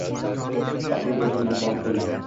Baxtli boʻlsin, marhamat qiling.